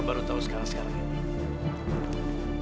agar papa bisa bersama kalian